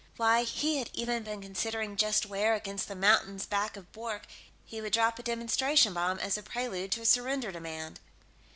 Why, he had even been considering just where, against the mountains back of Bwork, he would drop a demonstration bomb as a prelude to a surrender demand.